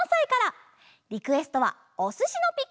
リクエストは「おすしのピクニック」です。